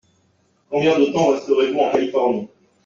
Combien de temps resterez-vous en Californie ?